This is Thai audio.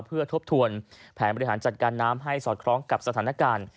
เพื่อทบทวนแผนบริหารจัดการน้ำให้สอดคล้องกับสถานการณ์